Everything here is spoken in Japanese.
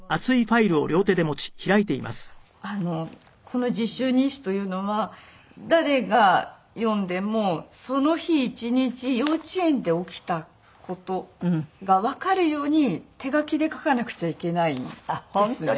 この実習日誌というのは誰が読んでもその日１日幼稚園で起きた事がわかるように手書きで書かなくちゃいけないんですね。